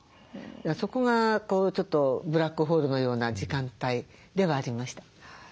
そこがちょっとブラックホールのような時間帯ではありました。